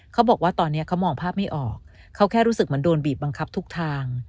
เขาบอกว่าตอนนี้เขามองภาพไม่ออกเขาแค่รู้สึกเหมือนโดนบีบบังคับทุกทาง